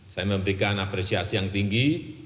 saya memberikan apresiasi yang tinggi